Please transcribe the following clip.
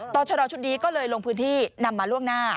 ชะลอชุดนี้ก็เลยลงพื้นที่นำมาล่วงหน้า